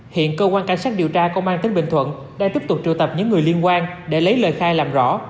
hiện cơ quan cảnh sát điều tra công an tính bình thuận đã tiếp tục trụ tập những người liên quan để lấy lời khai làm rõ